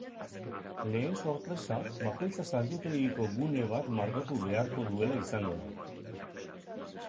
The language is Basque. Lehen sorpresa bakoitzak santutegiko gune bat margotu beharko duela izango da.